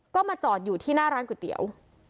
ก็มาจอดอยู่ที่หน้าร้านก๋วยเตี๋ยว